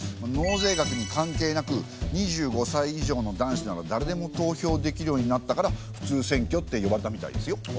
納税額に関係なく２５歳以上の男子ならだれでも投票できるようになったから「普通選挙」って呼ばれたみたいですよ。